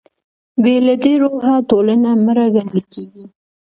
بې له دې روحه ټولنه مړه ګڼل کېږي.